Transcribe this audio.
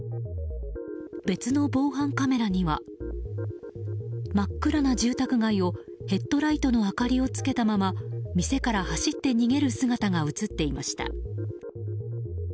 別の防犯カメラには真っ暗な住宅街をヘッドライトの明かりをつけたまま店から走って逃げる姿が映っていました。